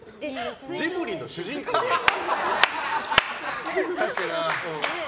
ジブリの主人公のやつ。